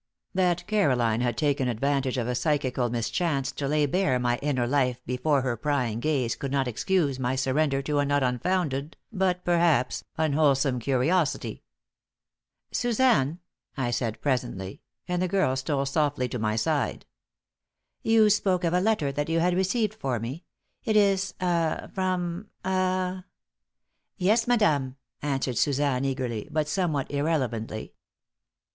That Caroline had taken advantage of a psychical mischance to lay bare my inner life before her prying gaze could not excuse my surrender to a not unfounded but, perhaps, unwholesome curiosity. "Suzanne," I said presently, and the girl stole softly to my side. "You spoke of a letter that you had received for me. It is ah from ah?" "Yes, madame," answered Suzanne, eagerly, but somewhat irrelevantly.